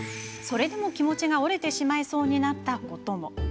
それでも、気持ちが折れてしまいそうになったことも。